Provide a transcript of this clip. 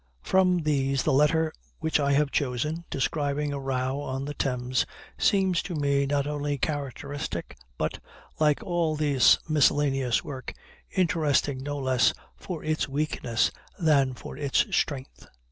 From these the letter which I have chosen, describing a row on the Thames, seems to me not only characteristic, but, like all this miscellaneous work, interesting no less for its weakness than for its strength.